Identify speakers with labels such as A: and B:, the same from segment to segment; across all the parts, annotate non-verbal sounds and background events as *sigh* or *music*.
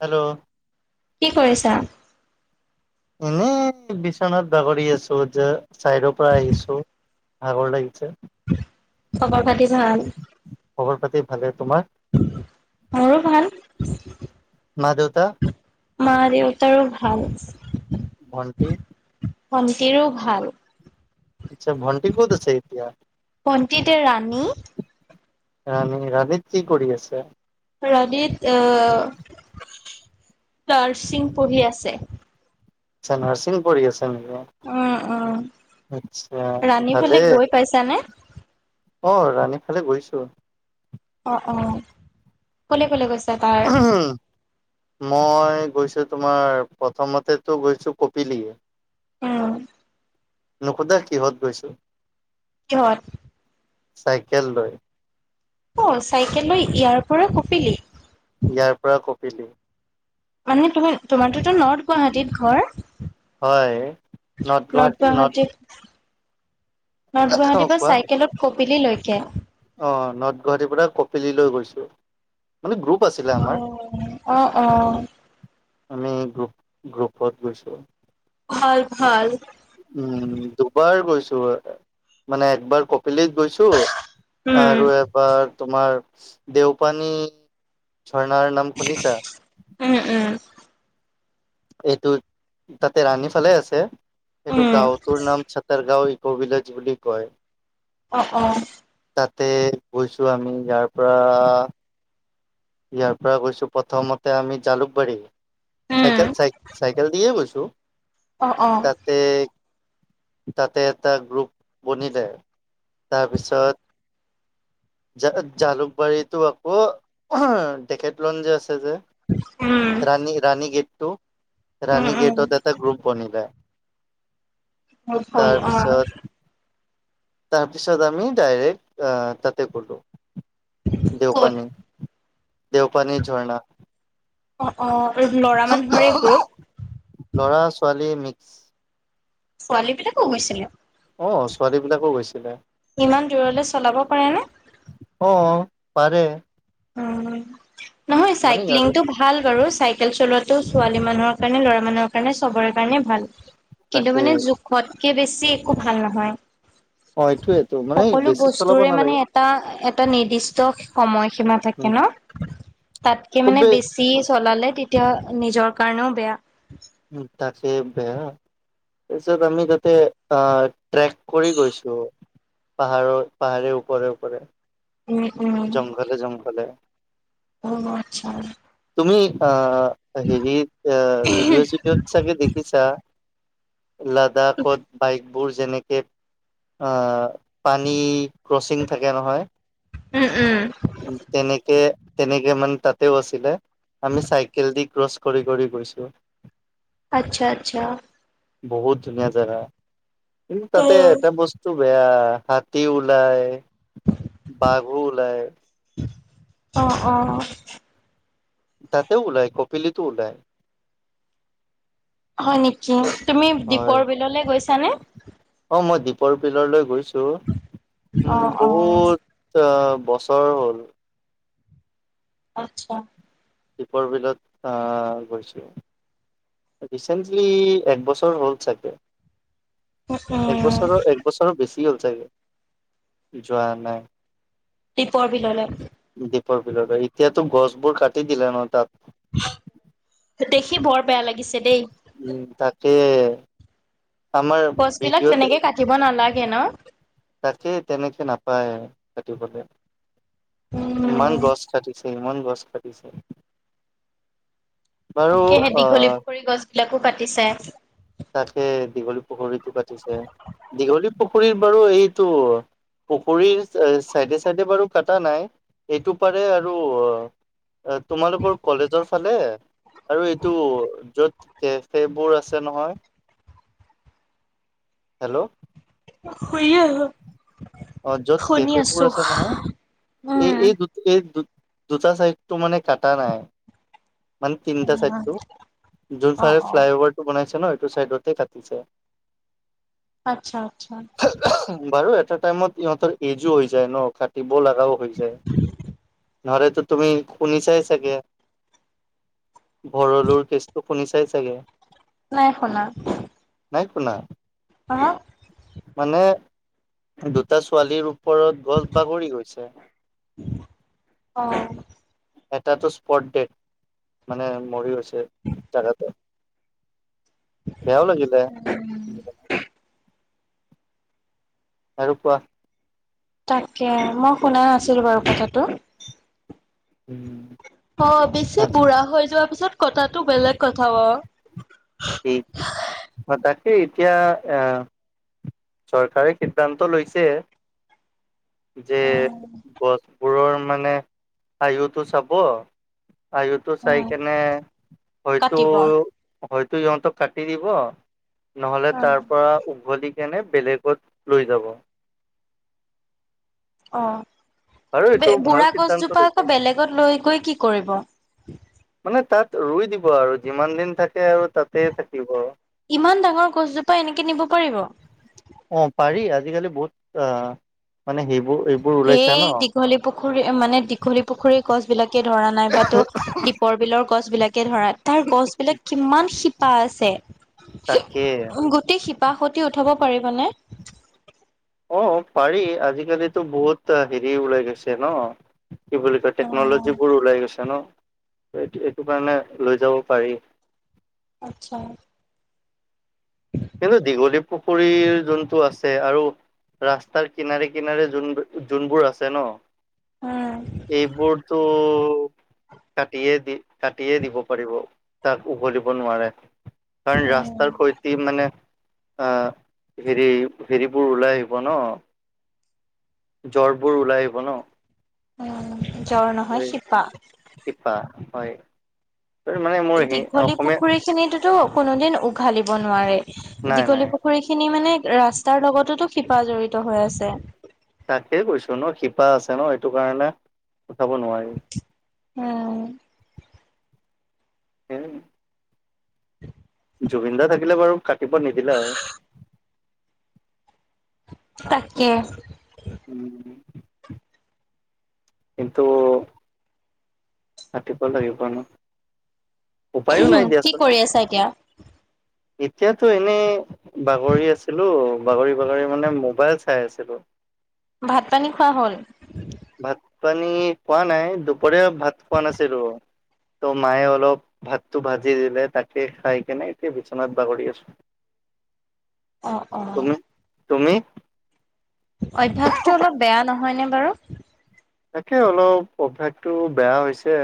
A: Hello.
B: কি কৰিছা
A: এনেই বিচনাথ বাগৰি আছো যে চাইদৰ পৰা আহিছো ভাগৰ লাগিছে
B: খবৰ পাতি ভাল
A: খবৰ পাতি ভালে তোমাৰ
B: মোৰো ভাল *unintelligible*
A: মা-দেউতা
B: মা দেউতাৰো ভাল।
A: ভন্টি
B: ভন্তিৰো ভাল
A: আচ্ছা ভণ্টি ক'ত আছে এতিয়া
B: ভন্টি এতিয়া ৰাণী
A: ৰানী ৰাণীত কি কৰি আছে
B: ৰাণিত অ নাৰছিং পঢ়ি আছে।
A: আচ্ছা নাৰ্চিং পঢ়ি আছে নেকি
B: উম উম
A: আচ্ছা
B: ৰাণী ফালে গৈ পাইছানে? *unintelligible*
A: অঁ ৰাণীফালে গৈছোঁ
B: অ অ কলে কলে গৈছা তাৰ
A: মই গৈছোঁ তোমাৰ প্ৰথমতেতো গৈছোঁ কপিলি
B: উম
A: নুসোধা কিহত গৈছো?
B: কিহত।
A: চাইকেল লৈ
B: অ চাইকেললৈ ইয়াৰ পৰা কঁপিলি
A: ইয়াৰ পৰা কঁপিলি।
B: মানে তোম তোমাৰোতো নৰ্থ গুৱাহাটীত ঘৰ।
A: হয় north
B: north
A: north
B: Guwahati north
A: অ
B: গুৱাহাটীৰ পৰা
A: কোৱা
B: চাইকেলত কপিলী লৈকে
A: অৱ নৰ্থ গুৱাহাটীৰ পৰা কপিলৈ গৈছে। মানে গ্ৰুপ আছিলে
B: অ',
A: আমাৰ
B: অ',
A: আমি গ্ৰুপ গ্ৰুপত গৈছোঁ
B: ভাল ভাল।
A: উম দুবাৰ গৈছো মানে একবাৰ ক পিলিত গৈছো আৰু
B: উম,
A: এবাৰ তোমাৰ দেওপানী ঝৰ্ণাৰ নাম শুনিছা
B: উম, উম,
A: এইটো তাতে ৰাণী ফালে আছে এইটো
B: উম,
A: গাঁওটোৰ নাম চতৰ গাঁও কবিলজ বুলি কয়।
B: অ অ
A: তাতে গৈছো আমি ইয়াৰ পৰা ইয়াৰ পৰা গৈছো প্ৰথমতে আমি জালুকবাৰী
B: উম,
A: চাইকেল চাই চাইকেল দিয়ে গৈছো
B: অ', অ',
A: তাতে তাতে এটা গ্ৰুপ বনিলে, তাৰপিছত জ জালুকবাৰীটো আকৌ তেখেত লন যে আছে যে
B: উম,
A: ৰাণী ৰাণী গেটটো
B: উম,
A: ৰাণী
B: উম,
A: গেটত এটা গ্ৰুপ বনিলে
B: অ' হয় অ।
A: তাৰপিছত তাৰপিছত আমি ডাইৰেক্ট আহ তাতে গলো
B: ক'ত?
A: দেৱপানী দেৱপানী ঝৰণা
B: অ অ ল'ৰা মানুহৰে গ্ৰুপ,
A: লৰা ছোৱালী নিক-
B: ছোৱালী বিলাকো গৈছিলে
A: অ ছোৱালী বিলাকো গৈছিলে
B: ইমান দূৰলে চলাব পাৰে নে
A: অ' পাৰে।
B: উ নহয়
A: মানে সিহঁতে
B: চাইক্লিংটো ভাল বাৰু চাই- চাইকেল চলোৱাটো ছোৱালী মানুহৰ কাৰণে ল'ৰা মানুহৰ কাৰণে চবৰে কাৰণে ভাল। কিন্তু
A: তাকে
B: মানে জোখতকে বেছি একো ভাল নহয়
A: অ এইটো
B: সকলো বস্তুৰে মানে এটা, এটা নিৰ্দিষ্ট সময়সীমা থাকে
A: উম
B: ন তাতকে মানে
A: খুবেই
B: বেছি চলালে তেতিয়া নিজৰ কাৰণেও বেয়া
A: উ তাকে বেয়া তাৰপিছত আমি তাতে আহ ট্ৰেক কৰি গৈছো পাহাৰৰ পাহাৰে ওপৰে ওপৰে
B: উম উম
A: জংঘলে জংঘলে।
B: অ আচ্ছা
A: তুমি অ হেৰিত ভিডিঅ' চিডিঅত চাগে দেখিছা লাডাখত বাইকবোৰ যেনেকে আ পানী ক্ৰচিং থাকে নহয়,
B: উম উম
A: তেনেকৈ তেনেকে মানে তাতেও আছিলে আমি চাইকেল দি ক্ৰছ কৰি কৰি গৈছোঁ
B: আচ্ছা আচ্ছা
A: বহুত ধুনীয়া জেগা কিন্তু
B: অ
A: তাতে এটা বস্তু বেয়া হাতী ওলাই বাঘো ওলাই
B: অ অ
A: তাতেও ওলাই কপিলিতো ওলায়
B: হয় নেকি তুমি দীপৰ বিললৈ গৈছানে
A: পৰ বিলৰলৈ গৈছো
B: অ
A: উম
B: অ
A: বহুত বছৰ হ'ল
B: আত্ছা
A: দীপৰ বিলত আহ গৈছো ৰিচেণ্টলি একবছৰ হ'ল চাগে এক
B: উম
A: বছৰৰ এক বছৰো বেছি হ'ল চাগে যোৱা নাই
B: দিপৰ বিললে
A: এতিয়াতো গছবোৰ কাটি দিলে ন তাত
B: দেখি বৰ বেয়া লাগে।
A: উম তাকে আমাৰ
B: গছ বিলাক তেনেকে কাটিব নালাগে ন?
A: তাকেই তেনেকে নাপায় কাটিবলে। ইমান
B: উম
A: গছ কাটিছে। সেই গছ কাটিছে বাৰু আহ।
B: ইয়াতো পাতিছে।
A: তাকে দীঘলী পুখুৰীতটো কাটিছে। দীঘলী পুখুৰীৰ বাৰু এইটো পুখুৰীৰ চাইডে চাইডে বাৰু কটা নাই এইটো পাৰে আৰু তোমালোকৰ কলেজৰ ফালে আৰু এইটো য'ত কেফেবোৰ আছে নহয়। হেল্ল'
B: শুইয়ে আছোঁ।
A: অ য'ত কেফে বোৰ আছে নহয় এই
B: উম।
A: এই দু এই দু দুটা চাইডটো মানে কাটা নাই। মানে তিনিটা চাইড টো যোন
B: অ
A: ফালে
B: অ।
A: ফ্লাই অভাৰ টো বনাইছে ন? টো চাইডতে কাটিছে
B: আচ্ছা, আচ্ছা।
A: বাৰু এটা টাইমত ইহঁতৰ এজো হৈ যায় ন কাটিব লগাও হৈ যায়। নহলে তো তুমি খুনি চাই চাগে। ভৰলুৰ কেছটো শুনিচাই চাগে।
B: নাই শুনা।
A: নাই শুনা,
B: আহ
A: মানে দুটা ছোৱালীৰ ওপৰত গছ বাগৰি গৈছে
B: অ।
A: এটাটো স্পট ডেড মৰি গৈছে জেগাতে বেয়াও লাগিলে আৰু কোৱা
B: তাকে মই শুনা নাছিলো বাৰু কথাটো।
A: উম।
B: অ বেছি বুঢ়া হৈ যোৱাৰ পিছত কথাটো বেলেগ কথা বাও
A: তাকেই এতিয়া আহ চৰকাৰে সিদ্ধান্ত লৈছে। যে গছবোৰৰ মানে আয়ুটো চাব আয়তো চাই
B: অ',
A: কেনে, হয়তো
B: কাটিব।
A: হয়তো ইিহঁতক কাটি দিব নহ'লে তাৰ পৰা উভলি কেনে বেলেগত লৈ যাব। আৰু এইটো ভাল
B: বুঢ়া
A: সিদ্ধান্ত
B: গছজোপা আকৌ
A: লৈছে।
B: বেলেগত লৈ গৈ কি কৰিব?
A: মানে তাত ৰুই দিব আৰু যিমান দিন থাকে আৰু তাতে থাকিব।
B: ইমান ডাঙৰ গছজোপা এনেকে নিব পাৰিব?
A: অ' পাৰি আজিকালি বহুত আহ মানে সেইবোৰ এইবোৰ ওলাইছে
B: সেই
A: ন
B: দীঘলী পুখুৰী মানে দীঘলী পুখুৰীৰ গছ বিলাকে ধৰা নাই বাট দীপৰ বিলৰ গছ বিলাকে ধৰা তাৰ গছবিলাক কিমান। পা আছে
A: তাকে।
B: গোটেই শি বা সুতি উঠাব পাৰিবনে?
A: অ পাৰি আজিকালি বহুত হেৰি ওলাই গৈছে ন কি বুলি কয় টেকনলজী
B: অ',
A: বোৰ ওলাই গৈছে ন এইটো এইটো কাৰণে লৈ যাব পাৰি।
B: আচ্ছা
A: কিন্তু দীঘলী পুখুৰীৰ যোনটো আছে আৰু ৰাস্তাৰ কিনাৰে কিনাৰে যোন যোনবোৰ আছে ন।
B: উম,
A: এইবোৰটো কাটয়ে দিয়ে কাটিয়ে দিব পাৰিব তাক উভলিব নোৱাৰে কাৰণ
B: উম,
A: ৰাস্তাৰ সৈতে মানে অ হেৰি হেৰিবোৰ ওলাই আহিব ন। জ্বৰবোৰ ওলাই আহিব ন
B: উ' জ্বৰ নহয় শিপা।
A: শিপা হয় মানে মোৰ হি
B: দীঘলী
A: অসমীয়া
B: পুখুৰী খিনিতোতো কোনোদিন উঘালিব নোৱাৰে
A: নাই নাই
B: দীঘলী পুখুৰী খিনি মানে ৰাস্তাৰ লগতেতো শিপা জড়িত হৈ আছে
A: তাকে কৈছো ন শিপা আছে ন সেইটো কাৰণে উঠাব নোৱাৰি
B: উম
A: উম জুবিনদা থাকিলে বাৰু কাটিব নিদিলে হয়
B: তাকে
A: উম। কিন্ত কাটিব লাগিব ন, উপায়ো নাই
B: কি
A: দিয়াচোন
B: কৰি আছা এতিয়া?
A: এতিয়াতো এনেই বাগৰি আছিলো বাগৰি বাগৰি মানে মোৱাইল চাই আছিলোঁ।
B: ভাত পানী খোৱা হ'ল?
A: ভাত পানী পোৱা নাই দুপৰীয়া ভাত খোৱা নাছিলো ত' মায়ে অলপ ভাতটো ভাজি দিলে, তাকে খাই কেনে এতিয়া বিচনাত বাহৰি আছো।
B: অ' অ।
A: তুমি‌?
B: অভ্যাসটো অলপ বেয়া নহয়নে বাৰু
A: তাকে অলপ অভ্যাসটো বেয়া হৈছে।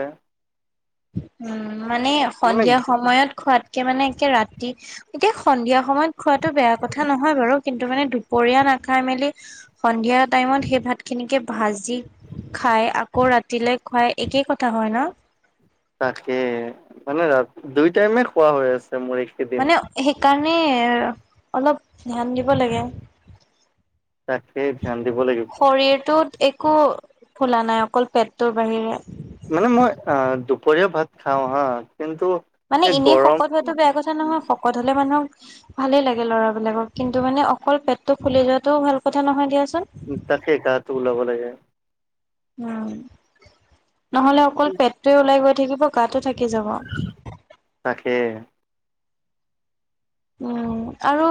B: উম মানে
A: মানে
B: সন্ধিয়া সময়ত খোৱাত একে মানে একে ৰাতি এতিয়া সন্ধিয়া সময়ত খোৱাটো বেয়া কথা নহয় বাৰু কিন্তু মানে দুপৰীয়া খাই মেলি সন্ধিয়া টাইমত সেই ভাত খিনিকে ভাজি খাই আকৌ ৰাতিলে খুৱাই একেই কথা হয় ন
A: তাকে মানে ৰা দুই টাইমে খোৱা হৈ আছে মোৰ এইকেইদিন
B: মানে সেইকাৰণে অলপ ধ্যান দিব লাগে।
A: তাকে ধ্যান দিব লাগিব।
B: শৰীৰটোত একো ফোলা নাই অকল পেটটোৰ বাহিৰে।
A: মানে মই অ দুপৰীয়া ভাত খাওঁ হা। কিন্তু
B: মানে
A: এই
B: এনেই
A: গৰম
B: শকত হোৱাটো বেয়া কথা নহয়, শকত হলে মানুহক ভালে লাগে ল'ৰাবিলাকক। কিন্তু মানে অকল পেটটো ফুলি যোৱাটো ভাল কথা নহয় দিয়াচুন।
A: তাকেই গাটো ওলাব লাগে।
B: উম নহলে অকল পেটটোৱে ওলাই গৈ থাকিব গাতো থাকি যাব
A: তাকে।
B: উম আৰু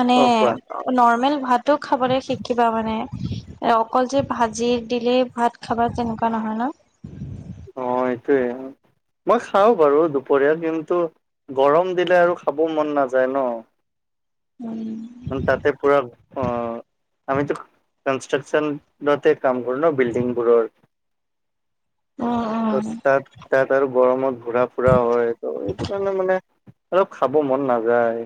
B: মানে
A: অ কোৱা
B: নৰ্মেল ভাতো খাবলে শিকিবা মানে অকল যে ভাজি দিলেই ভাত খাবা তেনেকুৱা নহয় ন। *inaudible*
A: অ সেইটোৱে। মই খাওঁ বাৰু দুপৰীয়া, কিন্তু গৰম দিলে আৰু খাব মন নাযায় ন।
B: উম।
A: ম তাতে পুৰা অ। আমিটো কনষ্ট্ৰাকচনতে কাম কৰো ন বিল্ডিং বোৰৰ।
B: উম
A: ত
B: উম
A: তাত তাত আৰু, গৰমত ঘুৰা ফুৰা হয়। ত এইটো কাৰণে মানে অলপ খাব মন নাযায়।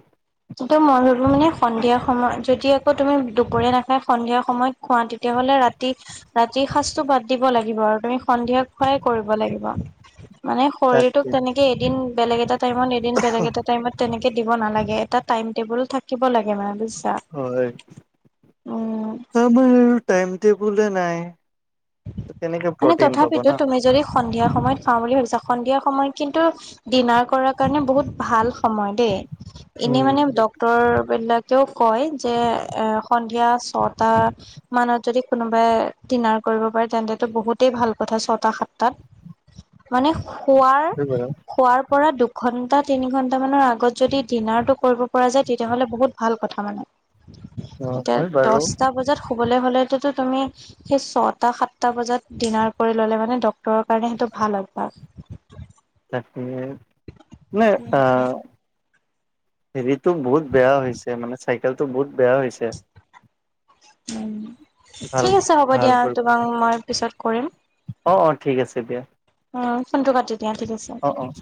B: কিন্তু মই ভাবিলো মানে সন্ধিয়া সময়ত যদি আকৌ তুমি দুপৰীয়া নাখায় সন্ধিয়া সময়ত খোৱা। তেতিয়া তেনেহলে ৰাতি ৰাতিৰ সাজটো বাদ দিব লাগিব আৰু তুমি সন্ধিয়া খুৱাই কৰিব লাগিব। মানে শৰীৰটোক
A: তাকে
B: তেনেকে এদিন বেলেগ এটা টাইমত, এদিন বেলেগ এটা টাইমত তেনেকে দিব নালাগে। তাত টাইম টেবুলও থাকিব লাগে। মানে,
A: হয়
B: উম
A: আমাৰ টাইমটেবুলে নাই। কেনেকে
B: মানে
A: প্ৰটিন পাব
B: তথাপিতো
A: না
B: তুমি যদি সন্ধিয়া, সময়ত খাওঁ বুলি ভাবিছা, সন্ধিয়া সময়ত কিন্তু ডিনাৰ কৰাৰ কাৰণে বহুত ভাল সময় দেই। এনেই
A: উম
B: মানে ডক্তৰ বিলাক, তেওঁ কয় যে, এ সন্ধিয়া ছটা মানত যদি কোনোবাই দিনাৰ, কৰিব পাৰে তেন্তটো বহুতেই ভাল কথা ছটা সাতটাত মানে খোৱাৰ
A: সেইটো বাৰু
B: খোৱাৰ পৰা দুখ- ঘন্টা তিনি ঘন্টা মানৰ আগত যদি ডিনাৰটো কৰিব পৰা যায়, তেতিয়াহলে বহুত ভাল কথা মানে।
A: অ
B: এতিয়া
A: হয় বাৰু
B: দশটা বজাত শুবলৈ হলে তুমি সেই ছত- সটা সাতটা বজাত ডিনাৰ কৰি ললে মানে, ডক্তৰৰ কাৰণে সেইটো ভাল অভ্যাস।
A: এ নাই অ। হেৰিতটো বহুত বেয়া হৈছে, মানে চাইকেলটো বহুত বেয়া হৈছে।
B: উ
A: ভাল
B: ঠিক আছে হ'ব
A: ভাল
B: দিয়া,
A: কৰি
B: তোমাক মই পিছত কৰিম।
A: অ অ ঠিক আছে দিয়া।
B: উম ফোনটো কাটি দিয়া ঠিক আছে।
A: অ' অ'।